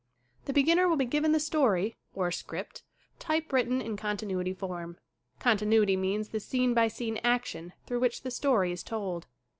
The beginner will be given the story or script typewritten in continuity form. Con tinuity means t he scene by scene action through which the story is told.